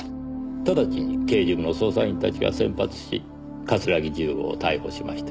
ただちに刑事部の捜査員たちが先発し桂木重吾を逮捕しました。